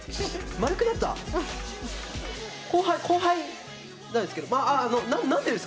後輩なんですけど。